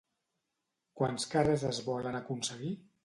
Quants carrers es volen aconseguir?